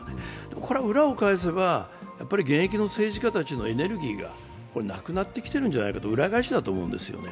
これは裏を返せば現役の政治家たちのエネルギーがなくなってきている裏返しだと思うんですよね。